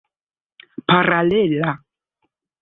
paralela